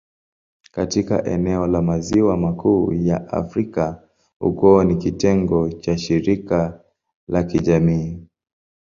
Katika eneo la Maziwa Makuu ya Afrika, ukoo ni kitengo cha shirika la kijamii.